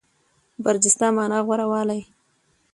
برجسته مانا غوره والی.